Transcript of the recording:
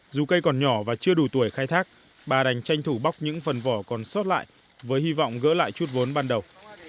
dù cây còn nhỏ và chưa đủ tuổi khai thác bà đành tranh thủ bóc những phần vỏ còn sót lại với hy vọng gỡ lại chút vốn ban đầu